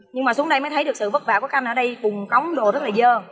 nhưng mà xuống đây mới thấy được sự vất vả của các em ở đây cùng cống đồ rất là dơ